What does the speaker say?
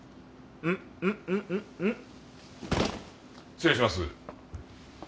失礼します。